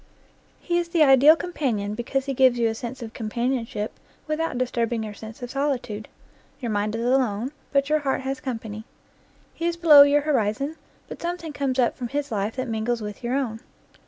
He is the ideal companion because he gives you a sense of companionship without disturbing your sense of solitude. Your mind is alone, but your heart has company. He is below your horizon, but some thing comes up from his life that mingles with your own.